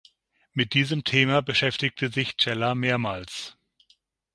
Mit diesem Thema beschäftigte sich Cella mehrmals.